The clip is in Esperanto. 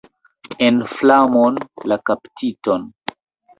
En flamon la kaptiton!